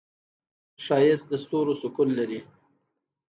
ښایست د ستورو سکون لري